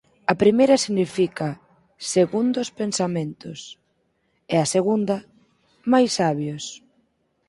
A primeira significa «segundos pensamentos», e a segunda, «máis sabios».